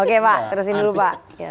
oke pak terusin dulu pak